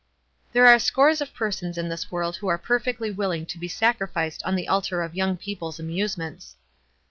There are scores of persons in this world who are perfectly willing to be sacrificed on the altar of young people's amusements.